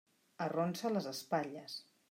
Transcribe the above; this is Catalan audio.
Arronsa les espatlles.